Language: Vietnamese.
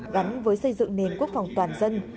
gắn với xây dựng nền quốc phòng toàn dân